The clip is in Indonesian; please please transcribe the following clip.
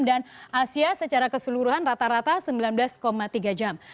dan asia secara keseluruhan rata rata sembilan belas tiga jam